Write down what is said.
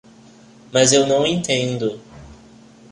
Mas eu não entendo.